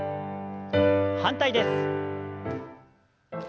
反対です。